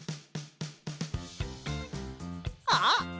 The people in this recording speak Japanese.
あっ！